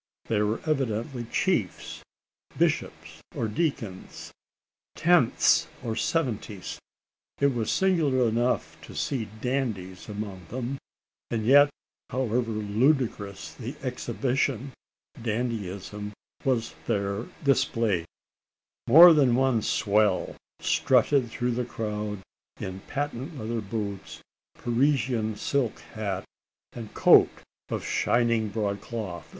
They were evidently chiefs bishops or deacons "tenths" or "seventies." It was singular enough to see dandies among them; and yet, however ludicrous the exhibition, dandyism was there displayed! More than one "swell" strutted through the crowd in patent leather boots, Parisian silk hat, and coat of shining broad cloth!